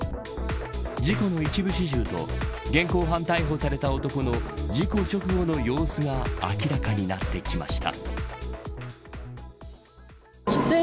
事故の一部始終と現行犯逮捕された男の事故直後の様子が明らかになってきました。